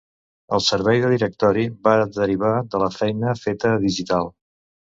El servei de directori va derivar de la feina feta a Digital.